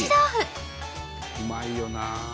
うまいよなあ。